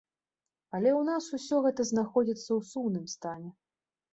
Але ў нас усё гэта знаходзіцца ў сумным стане.